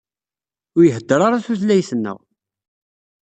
Ur ihedder ara tutlayt-nneɣ.